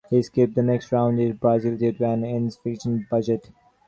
He skipped the next round in Brazil due to an insufficient budget.